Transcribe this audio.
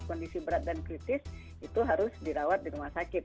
kondisi berat dan kritis itu harus dirawat di rumah sakit